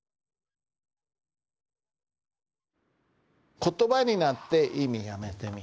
「コトバになって意味やめてみる」。